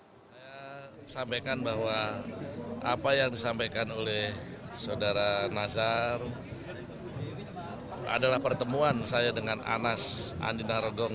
saya sampaikan bahwa apa yang disampaikan oleh saudara nazar adalah pertemuan saya dengan anas andina rogong